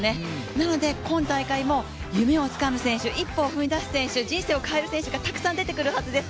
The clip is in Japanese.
なので、今大会も夢をつかむ選手、一歩を踏み出す選手、人生を変える選手がたくさん出てくるはずです。